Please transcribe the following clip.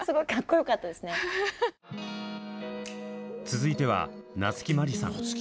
続いては夏木マリさん。